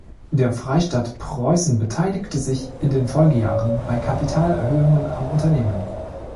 Der Freistaat Preußen beteiligte sich in den Folgejahren bei Kapitalerhöhungen am Unternehmen.